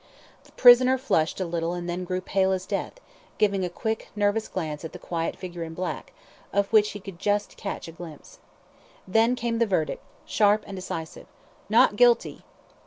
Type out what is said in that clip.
The prisoner flushed a little and then grew pale as death, giving a quick, nervous glance at the quiet figure in black, of which he could just catch a glimpse. Then came the verdict, sharp and decisive, "NOT GUILTY."